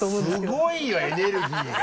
すごいよエネルギーが。